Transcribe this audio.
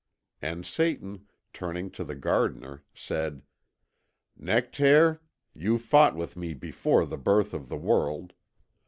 And Satan, turning to the gardener, said: "Nectaire, you fought with me before the birth of the world.